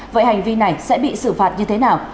vậy hành vi này sẽ bị xử phạt như thế nào